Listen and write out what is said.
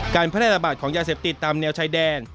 การแพร่ระบาดของยาเสพติดตามแนวชายแดน